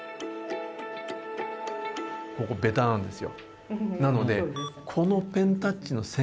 ここベタなんですよ。